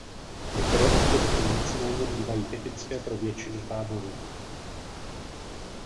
Některé aktivity nicméně bývají typické pro většinu táborů.